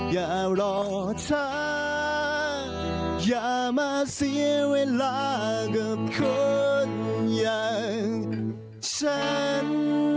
อย่ารอช้าอย่ามาเสียเวลากับคนอย่างฉัน